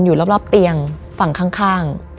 อยู่รอบเตียงฝั่งข้าง